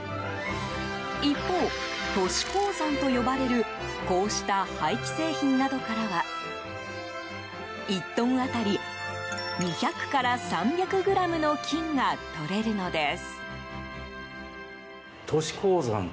一方、都市鉱山と呼ばれるこうした廃棄製品などからは１トン当たり２００から３００ｇの金が取れるのです。